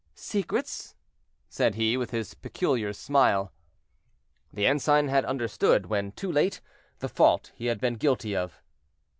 "Secrets?" said he, with his peculiar smile. The ensign had understood, when too late, the fault he had been guilty of.